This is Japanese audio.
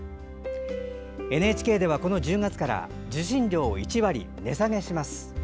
ＮＨＫでは、この１０月から受信料を１割値下げします。